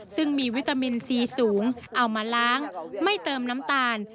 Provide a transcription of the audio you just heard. ซึ่งมีวิตามินซีสูงเอามาล้างไม่เติมน้ำตาล